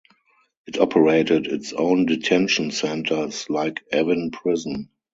It operated its own detention centers, like Evin Prison.